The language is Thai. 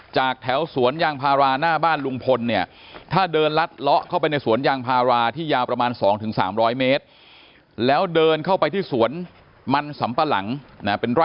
จะไปอีกประมาณ๑๐๐เมตร